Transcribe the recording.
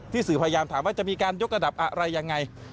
สื่อพยายามถามว่าจะมีการยกระดับอะไรยังไง